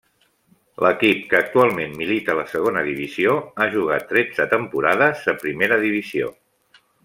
L'equip, que actualment milita a la Segona divisió, ha jugat tretze temporades a Primera divisió.